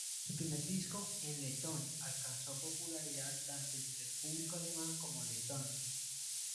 Su primer disco, en letón, alcanzó popularidad tanto entre el público alemán como letón.